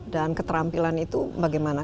dan keterampilan itu bagaimana